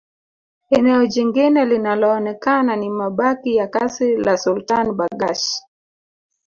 Eneo jingine linaloonekana ni mabaki ya kasri la Sultan Barghash